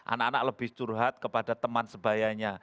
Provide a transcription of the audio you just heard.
anak anak lebih curhat kepada teman sebayanya